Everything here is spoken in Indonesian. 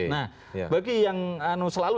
nah bagi yang selalu